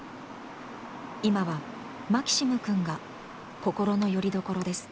今はマキシムくんが心のよりどころです。